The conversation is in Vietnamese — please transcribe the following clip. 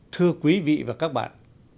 thưa quý vị và các bạn